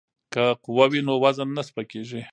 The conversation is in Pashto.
که قوه وي نو وزن نه سپکیږي.